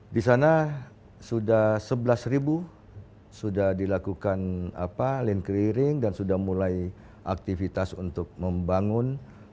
di sana sudah sebelas ribu sudah dilakukan land clearing dan sudah mulai aktivitas untuk membangun